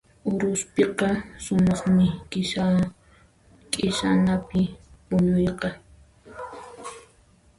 Uruspiqa sumaqmi q'isanapi puñuyqa.